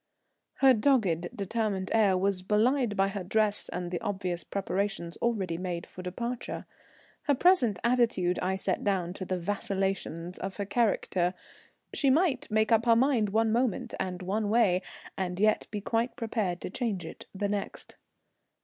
Her dogged, determined air was belied by her dress and the obvious preparations already made for departure. Her present attitude I set down to the vacillation of her character. She might make up her mind one moment and one way, and yet be quite prepared to change it the next.